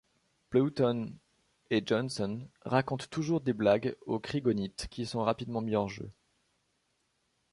Bleûten et Johnson racontent toujours des blagues aux krygonites, qui sont rapidement mis hors-jeu.